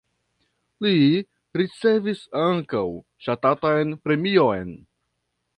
Li ricevis ankaŭ ŝtatan premion.